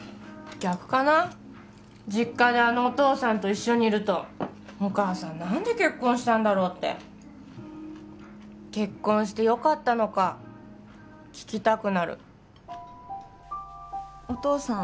逆かな実家であのお父さんと一緒にいるとお母さん何で結婚したんだろうって結婚してよかったのか聞きたくなるお父さん